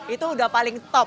itu udah paling top